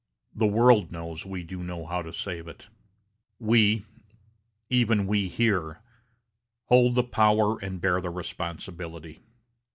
The world knows we do know how to save it. We even we here hold the power and bear the responsibility.